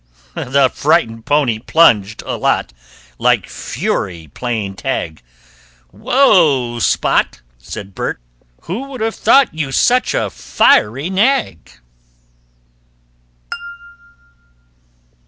The frightened pony plunged a lot, Like Fury playing tag. "Whoa, Spot!" said Burt. "Who would have thought You such a fiery nag!"